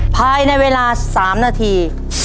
ภายในเวลา๓นาที